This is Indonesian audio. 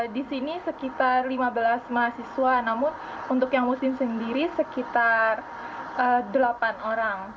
di sini sekitar lima belas mahasiswa namun untuk yang muslim sendiri sekitar delapan orang